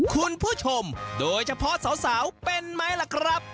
คุณผู้ชมโดยเฉพาะสาวเป็นไหมล่ะครับ